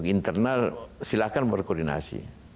internal silahkan berkoordinasi